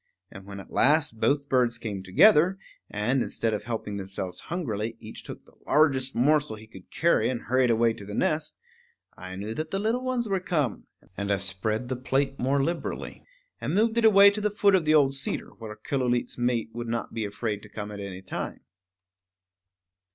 And when at last both birds came together, and, instead of helping themselves hungrily, each took the largest morsel he could carry and hurried away to the nest, I knew that the little ones were come; and I spread the plate more liberally, and moved it away to the foot of the old cedar, where Killooleet's mate would not be afraid to come at any time.